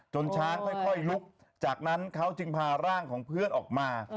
ช้างค่อยลุกจากนั้นเขาจึงพาร่างของเพื่อนออกมา